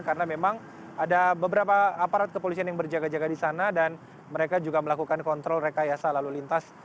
karena memang ada beberapa aparat kepolisian yang berjaga jaga di sana dan mereka juga melakukan kontrol rekayasa lalu lintas